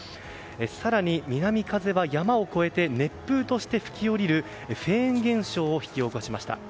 更に、南風は山を越えて熱風として吹き下りるフェーン現象を引き起こしました。